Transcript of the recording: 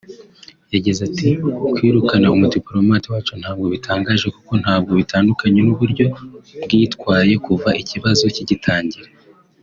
yagize ati “Kwirukana umudipolomate wacu ntabwo bitangaje kuko ntabwo bitandukanye n’ uburyo bwitwaye kuva ikibazo kigitangira